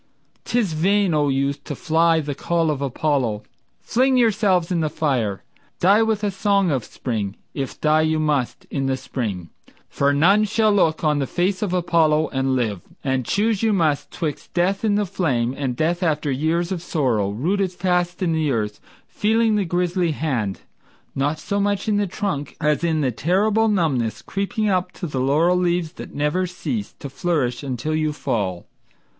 'Tis vain, O youth, to fly the call of Apollo. Fling yourselves in the fire, die with a song of spring, If die you must in the spring. For none shall look On the face of Apollo and live, and choose you must 'Twixt death in the flame and death after years of sorrow, Rooted fast in the earth, feeling the grisly hand, Not so much in the trunk as in the terrible numbness Creeping up to the laurel leaves that never cease To flourish until you fall.